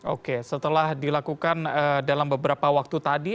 oke setelah dilakukan dalam beberapa waktu tadi